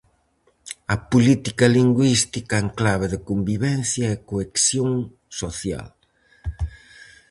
A política lingüística en clave de convivencia e cohesión social.